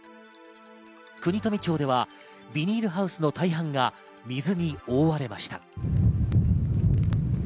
国富町ではビニールハウスの大半が水に覆われました。